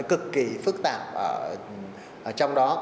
cực kỳ phức tạp ở trong đó